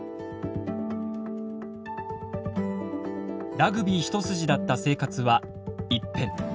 ラグビー一筋だった生活は一変。